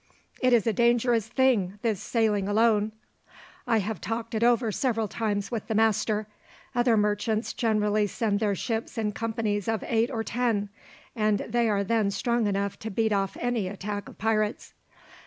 "It is a dangerous thing, this sailing alone. I have talked it over several times with the master. Other merchants generally send their ships in companies of eight or ten, and they are then strong enough to beat off any attack of pirates.